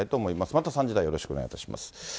また３時台よろしくお願いいたします。